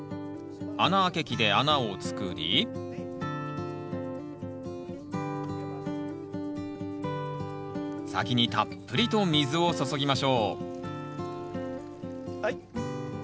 穴開け器で穴を作り先にたっぷりと水を注ぎましょうはい。